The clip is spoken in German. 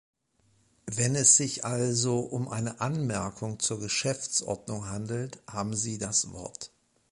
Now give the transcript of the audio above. Wenn es sich also um eine Anmerkung zur Geschäftsordnung handelt, haben Sie das Wort.